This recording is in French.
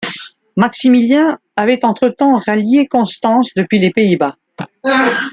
Maximilien avait entretemps rallié Constance depuis les Pays-Bas.